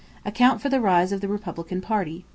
Account for the rise of the Republican party.